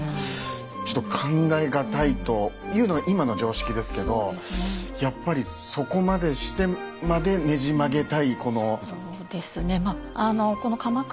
ちょっと考え難いというのが今の常識ですけどやっぱりそこまでしてまでねじ曲げたいこの。